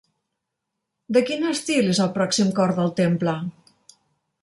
De quin estil és el pròxim cor del temple?